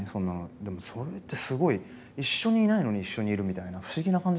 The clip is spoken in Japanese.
でもそれってすごい一緒にいないのに一緒にいるみたいな不思議な感じだったのね。